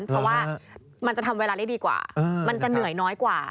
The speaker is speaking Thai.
เพราะว่ามันจะทำเวลาได้ดีกว่ามันจะเหนื่อยน้อยกว่า